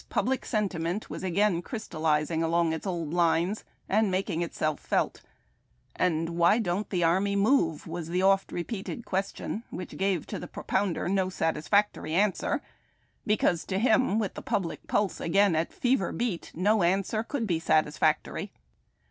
Public Sentiment, was again crystallizing along its old lines, and making itself felt, and "Why don't the army move?" was the oft re peated question wliich gave to the propounder no sat isfactory answer, because to him, with the public pulse again at fever beat, no answer could be satisfactory.